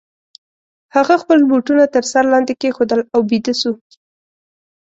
هغه خپل بوټونه تر سر لاندي کښېښودل او بیده سو.